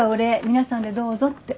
皆さんでどうぞって。